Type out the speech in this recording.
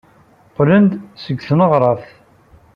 Qqlen-d seg tneɣraft.